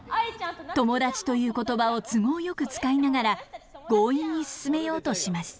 友達という言葉を都合よく使いながら強引に進めようとします。